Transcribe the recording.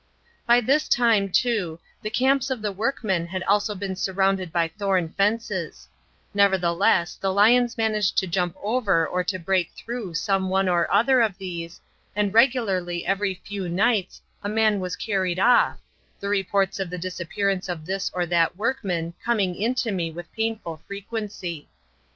By this time, too, the camps of the workmen had also been surrounded by thorn fences; nevertheless the lions managed to jump over or to break through some one or other of these, and regularly every few nights a man was carried off, the reports of the disappearance of this or that workman coming in to me with painful frequency.